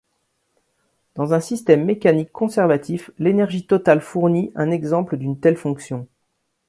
Dans un système mécanique conservatif, l’énergie totale fournit un exemple d’une telle fonction.